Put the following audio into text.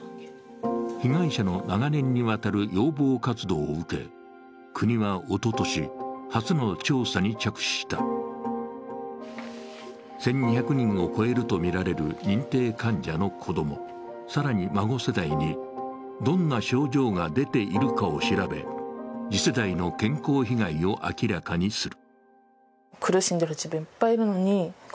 被害者の長年にわたる要望活動を受け、国はおととし、初の調査に着手した１２００人を超えるとみられる認定患者の子供、更に孫世代に、どんな症状が出ているかを調べ、次世代の健康被害を明らかにする。